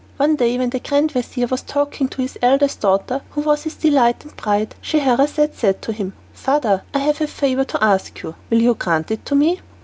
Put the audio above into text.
One day, when the grand vizir was talking to his eldest daughter, who was his delight and pride, Scheherazade said to him, "Father, I have a favour to ask of you. Will you grant it to me?"